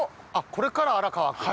これから荒川区？